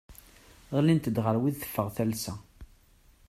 Ɣlint-d ɣer wid teffeɣ talsa.